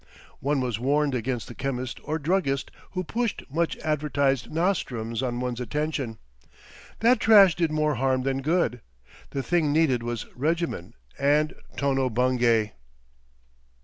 One was warned against the chemist or druggist who pushed "much advertised nostrums" on one's attention. That trash did more harm than good. The thing needed was regimen—and Tono Bungay!